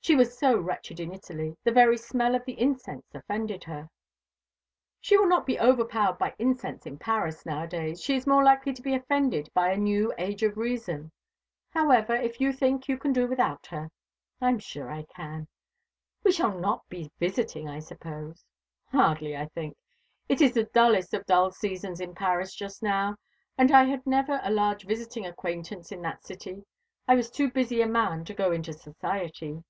She was so wretched in Italy. The very smell of the incense offended her." "She will not be overpowered by incense in Paris nowadays. She is more likely to be offended by a new Age of Reason. However, if you think you can do without her " "I'm sure I can. We shall not be visiting, I suppose?" "Hardly, I think. It is the dullest of dull seasons in Paris just now, and I had never a large visiting acquaintance in that city. I was too busy a man to go into society."